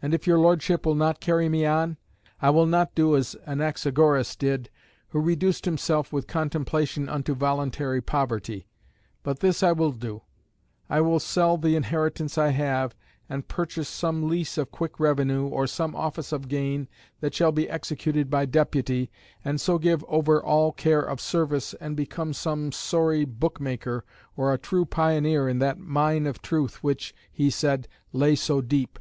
And if your Lordship will not carry me on, I will not do as Anaxagoras did, who reduced himself with contemplation unto voluntary poverty, but this I will do I will sell the inheritance I have, and purchase some lease of quick revenue, or some office of gain that shall be executed by deputy, and so give over all care of service, and become some sorry book maker, or a true pioneer in that mine of truth which (he said) lay so deep.